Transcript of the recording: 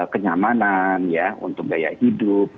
kenyamanan ya untuk gaya hidup